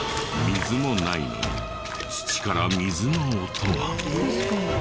水もないのに土から水の音が。